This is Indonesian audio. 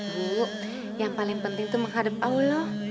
bu yang paling penting itu menghadap allah